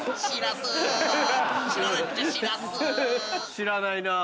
知らないなぁ。